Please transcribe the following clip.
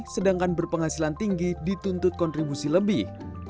sedangkan berpenghasilan tinggi dituntut kontribusi lebih